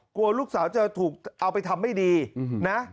กลัวลูกสาวจะถูกเอาไปทำไม่ดีนะ